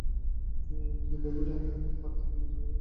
ববি ডার্লিং ভারতের দিল্লিতে জন্মগ্রহণ করেছেন।